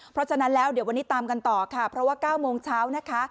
เพราะฉะนั้นแล้วเดี๋ยววันนี้ตามกันต่อค่ะเพราะว่า๙โมงเช้านะคะ